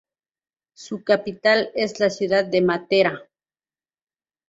Su capital es la ciudad de Matera.